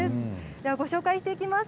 では、ご紹介していきます。